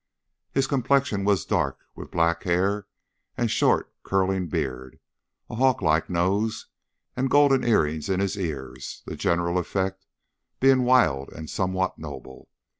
His complexion was dark, with black hair, and short, curling beard, a hawk like nose, and golden earrings in his ears the general effect being wild and somewhat noble.